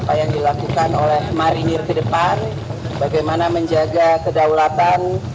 apa yang dilakukan oleh marinir ke depan bagaimana menjaga kedaulatan